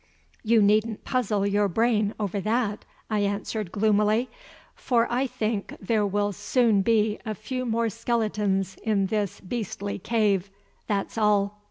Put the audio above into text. "You needn't puzzle your brain over that," I answered gloomily, "for I think there will soon be a few more skeletons in this beastly cave, that's all.